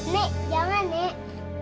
nek jangan nek